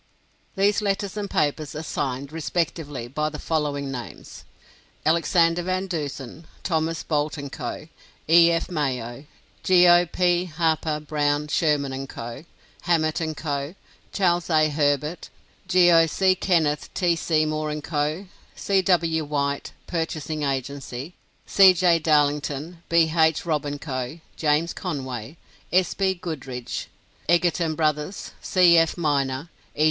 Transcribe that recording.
These letters and papers are signed, respectively, by the following names: Alexander Van Dusen; Thomas Boult & Co.; E. F. Mayo; Geo. P. Harper; Browne, Sherman & Co.; Hammett & Co.; Charles A. Herbert; Geo. C. Kenneth; T. Seymour & Co.; C. W. White, Purchasing Agency; C. J. Darlington; B. H. Robb & Co.; James Conway; S. B. Goodrich; Egerton Brothers; C. F. Miner; E.